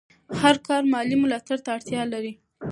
هر کار مالي ملاتړ ته اړتیا لري.